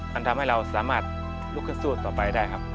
มันทำให้เราสามารถลุกขึ้นสู้ต่อไปได้ครับ